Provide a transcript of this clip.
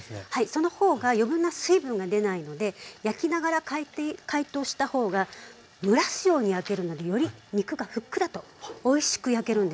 その方が余分な水分が出ないので焼きながら解凍した方が蒸らすように焼けるのでより肉がふっくらとおいしく焼けるんですよ。